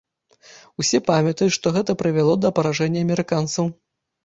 Усё памятаюць, што гэта прывяло да паражэння амерыканцаў.